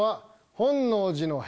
本能寺の変